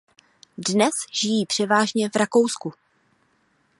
Dnes žijí převážně v Rakousku.